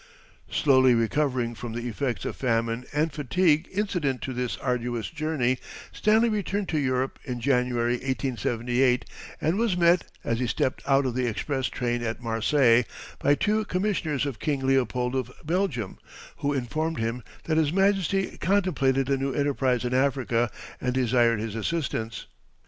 Slowly recovering from the effects of famine and fatigue incident to this arduous journey, Stanley returned to Europe in January, 1878, and was met, as he stepped out of the express train at Marseilles, by two commissioners of King Leopold of Belgium, who informed him that his Majesty contemplated a new enterprise in Africa and desired his assistance.